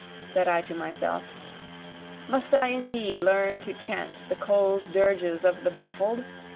said I to myself, Must I indeed learn to chant the cold dirges of the baffled?